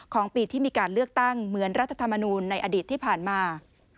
ของปีที่มีการเลือกตั้งเหมือนรัฐธรรมนูลในอดีตที่ผ่านมา